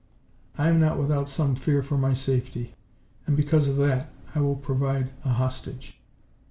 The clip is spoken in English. I am not without some fear for my safety, and because of that I will provide a hostage."